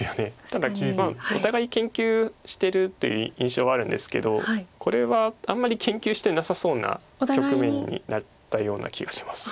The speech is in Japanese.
ただお互い研究してるという印象はあるんですけどこれはあんまり研究してなさそうな局面になったような気がします。